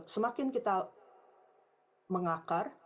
semakin kita mengakar